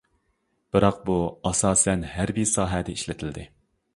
بىراق بۇ ئاساسەن ھەربىي ساھەدە ئىشلىتىلدى.